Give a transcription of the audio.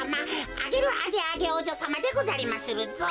アゲル・アゲアゲおうじょさまでござりまするぞ。